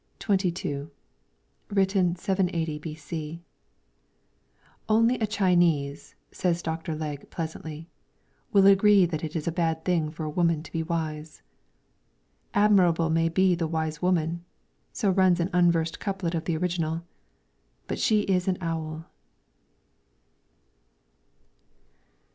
25 LYRICS FROM THE CHINESE XXII Written 780 b.c. 'Only a Chinese/ says Dr. Legge pleasantly^ 'will agree that it is a bad thing for a woman to be wise.' ' Admirable may be the wise woman,' so runs an unversed couplet of the original, ' But she is an owl.'